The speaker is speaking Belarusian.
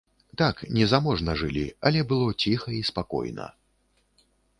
Так, незаможна жылі, але было ціха і спакойна.